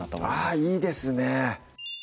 あぁいいですね